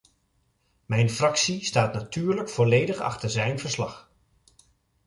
Mijn fractie staat natuurlijk volledig achter zijn verslag.